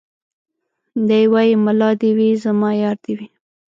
دی وايي ملا دي وي زما يار دي وي